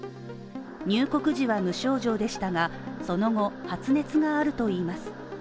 入国時は無症状でしたが、その後発熱があるといいます。